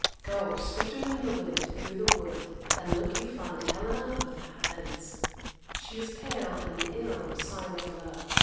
Go swifter than the wind through the wood, and look you find Helena of Athens. She is pale and ill with sighing for love.